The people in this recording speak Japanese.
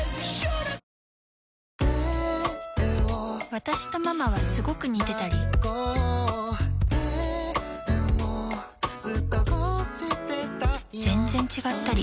私とママはスゴく似てたり全然違ったり